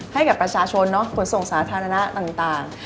ให้กับประชาชนขนส่งสาธารณะต่าง